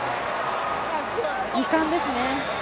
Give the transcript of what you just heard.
２冠ですね。